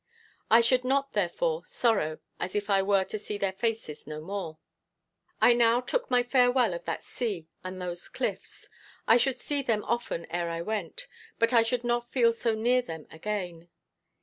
I should not, therefore, sorrow as if I were to see their faces no more. I now took my farewell of that sea and those cliffs. I should see them often ere we went, but I should not feel so near them again.